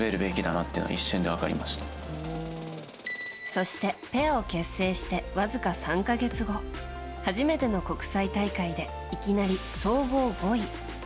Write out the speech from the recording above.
そして、ペアを結成してわずか３か月後初めての国際大会でいきなり総合５位。